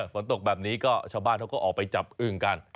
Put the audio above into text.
ฝนตกแบบนี้ก็ชาวบ้านเขาก็ออกไปจับอึ้งกัน